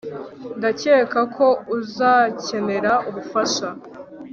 ndakeka ko uzakenera ubufasha